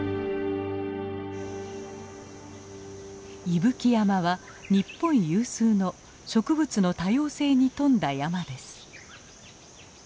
伊吹山は日本有数の植物の多様性に富んだ山です。